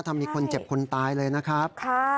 ถ้ามีคนเจ็บคนตายเลยนะครับ